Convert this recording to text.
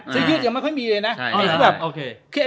ซื้อยืดยังไม่ค่อยมีเลยนะ